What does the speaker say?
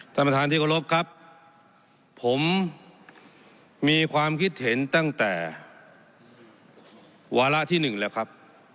ท่านประธานที่กรบครับผมมีความคิดเห็นตั้งแต่วาระที่หนึ่งแล้วครับ